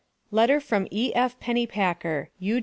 LETTER FROM E.F. PENNYPACKER (U.